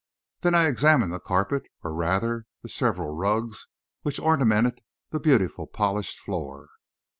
Then I examined the carpet, or, rather, the several rugs which ornamented the beautiful polished floor.